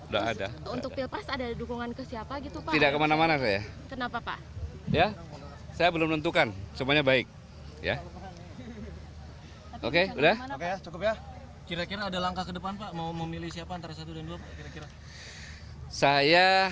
di bilik saja saya